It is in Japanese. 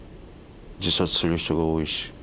自殺する人が多いし。